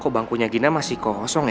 kok bangkunya gina masih kosong ya